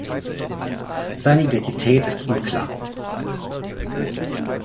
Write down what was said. Seine Identität ist unklar.